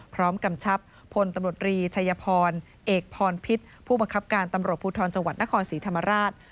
กำชับพลตำรวจรีชัยพรเอกพรพิษผู้บังคับการตำรวจภูทรจังหวัดนครศรีธรรมราช